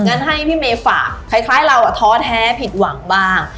งั้นให้พี่เมย์ฝากคล้ายเราท้อแท้ผิดหวังบ้าง